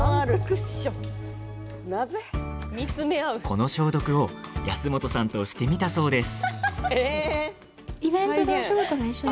この消毒を安元さんとしてみたそうです。